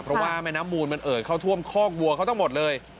เพราะว่าแม่น้ำมูลมันเอ่ยเข้าท่วมคอกวัวเขาทั้งหมดเลย